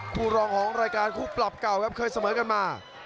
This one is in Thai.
คู่รองของรายการคู่ปรับเก่าครับเคยเสมอกันมา